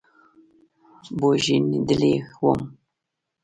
بوږنېدلى وم.